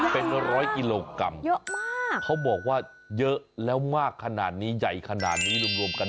เป็นร้อยกิโลกรัมเยอะมากเขาบอกว่าเยอะแล้วมากขนาดนี้ใหญ่ขนาดนี้รวมกัน